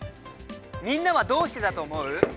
みんなはどうしてだと思う？